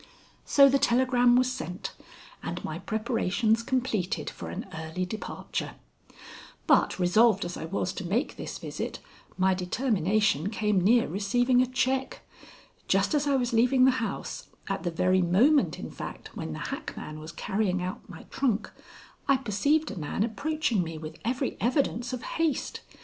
So the telegram was sent, and my preparations completed for an early departure. But, resolved as I was to make this visit, my determination came near receiving a check. Just as I was leaving the house at the very moment, in fact, when the hackman was carrying out my trunk, I perceived a man approaching me with every evidence of haste.